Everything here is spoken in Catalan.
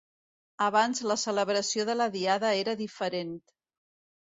Abans la celebració de la Diada era diferent.